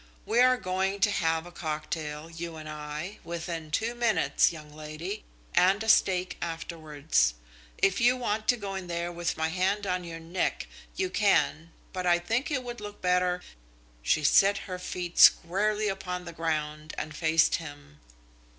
"We are going to have a cocktail, you and I, within two minutes, young lady, and a steak afterwards. If you want to go in there with my hand on your neck, you can, but I think it would look better " She set her feet squarely upon the ground and faced him.